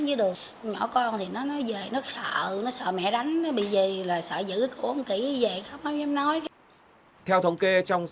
nhỏ con thì nó nói về nó sợ nó sợ mẹ đánh nó bị gì là sợ giữ cổ không kỹ như vậy không em nói